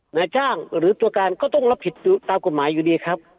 นายจ้างหรือตัวการก็ต้องรับผิดตามกฎหมายอยู่ดีครับ